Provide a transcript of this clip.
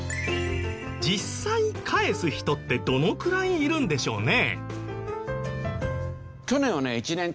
実際返す人ってどのくらいいるんでしょうね？